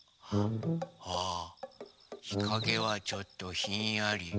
あひかげはちょっとひんやり。